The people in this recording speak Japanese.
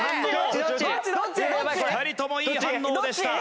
２人ともいい反応でした。